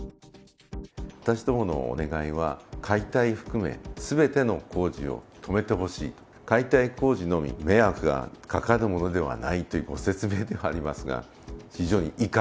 私どものお願いは、解体含め、すべての工事を止めてほしい、解体工事のみ迷惑がかかるものではないというご説明ではあります